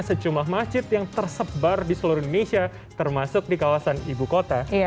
secumlah masjid yang tersebar di seluruh indonesia termasuk di kawasan ibukota iya